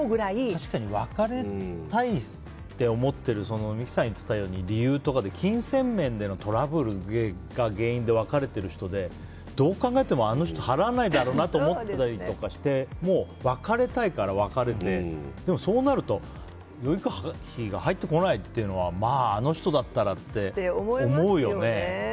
確かに別れたいって思ってる三木さん言ってたように理由とかで金銭面でのトラブルが原因で別れている人で、どう考えてもあの人払わないだろうなって思ってたりして別れたいから別れたけどそうなると養育費が入ってこないというのはまあ、あの人だったらって思うよね。